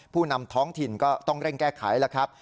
ผู้นำท้องถิ่นก็ต้องเร่งแก้ไขแล้วครับ